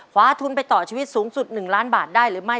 คว้าทุนไปต่อชีวิตสูงสุด๑ล้านบาทได้หรือไม่